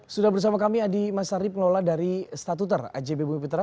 sudah bersama kami adi masari pengelola dari statuter ajb bumi putra